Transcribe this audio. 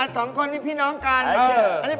สองคนนี้พี่น้องกัน